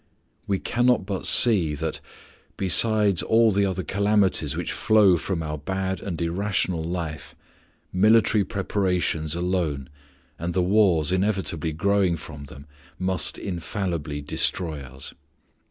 We cannot but see that, besides all the other calamities which flow from our bad and irrational life, military preparations alone and the wars inevitably growing from them must infallibly destroy us.